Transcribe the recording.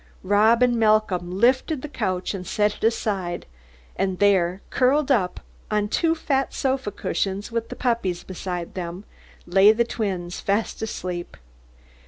Rob and Malcolm lifted the couch and set it aside, and there, curled up on two fat sofa cushions, with the puppies beside them, lay the twins fast asleep.